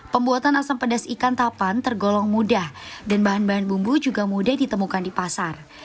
pembuatan asam pedas ikan tapan tergolong mudah dan bahan bahan bumbu juga mudah ditemukan di pasar